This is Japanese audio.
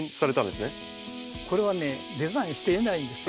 これはねデザインしていないんですよ。